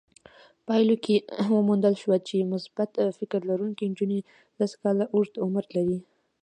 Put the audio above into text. پايلو کې وموندل شوه چې مثبت فکر لرونکې نجونې لس کاله اوږد عمر لري.